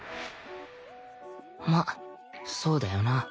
まあそうだよな